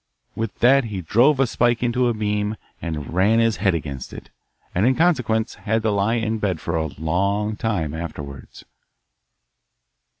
With that he drove a spike into a beam, and ran his head against it, and in consequence had to lie in bed for a long time afterwards.